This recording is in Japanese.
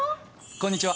ここんにちは。